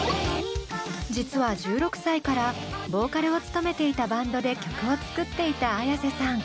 実は１６歳からボーカルを務めていたバンドで曲を作っていたＡｙａｓｅさん。